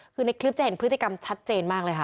คือในคลิปจะเห็นพฤติกรรมชัดเจนมากเลยค่ะ